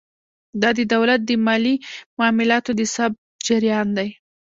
دا د دولت د مالي معاملاتو د ثبت جریان دی.